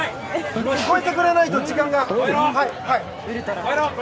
超えてくれないと、時間が。